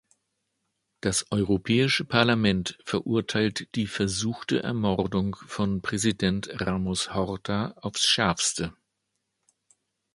Das Europäische Parlament verurteilt die versuchte Ermordung von Präsident Ramos-Horta aufs Schärfste.